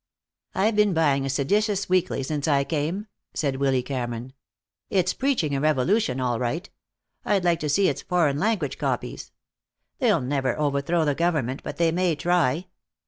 "I've been buying a seditious weekly since I came," said Willy Cameron. "It's preaching a revolution, all right. I'd like to see its foreign language copies. They'll never overthrow the government, but they may try.